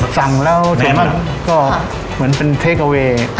สั่งแล้วส่วนมากก็เหมือนเป็นเทคโอเวย์